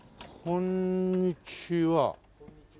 こんにちは。